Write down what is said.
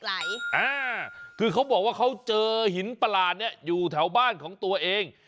คือเขาบอกว่าเขาเจอหินประหลาดเนี่ยอยู่แถวบ้านของตัวเอง